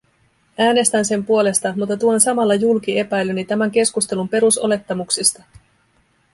Äänestän sen puolesta, mutta tuon samalla julki epäilyni tämän keskustelun perusolettamuksista.